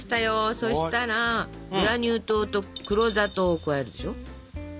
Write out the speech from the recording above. そしたらグラニュー糖と黒砂糖を加えるでしょ。